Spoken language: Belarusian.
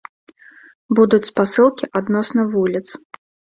Будуць спасылкі адносна вуліц.